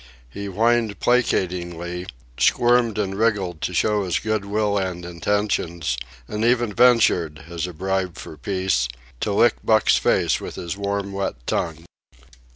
He whined placatingly, squirmed and wriggled to show his good will and intentions, and even ventured, as a bribe for peace, to lick Buck's face with his warm wet tongue.